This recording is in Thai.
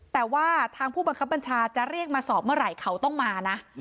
แต่ว่าทางผู้บังคับบัญชาจะเรียกมาสอบเมื่อไหร่เขาต้องมานะ